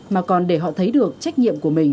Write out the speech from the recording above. mà còn để họ thấy được trách nhiệm của mình